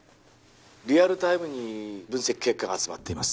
リアルタイムに分析結果が集まっています